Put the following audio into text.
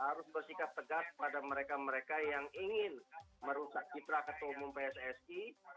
harus bersikap tegas pada mereka mereka yang ingin merusak citra ketua umum pssi